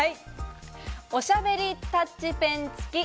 『おしゃべりタッチペンつき！